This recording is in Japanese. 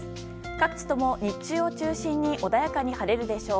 各地とも日中を中心に穏やかに晴れるでしょう。